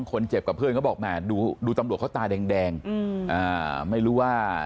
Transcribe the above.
คนเจ็บกับเพื่อนเขาบอกแหมดูตำรวจเขาตาแดงไม่รู้ว่า